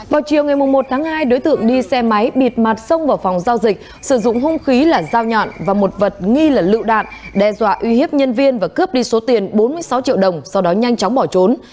vào chiều ngày một tháng hai đối tượng đi xe máy bịt mặt sông vào phòng giao dịch sử dụng hung khí là dao nhọn và một vật nghi là lựu đạn đe dọa uy hiếp nhân viên và cướp đi số tiền bốn mươi sáu triệu đồng sau đó nhanh chóng bỏ trốn